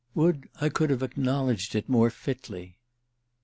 Would I could have acknowledged it more fitly!"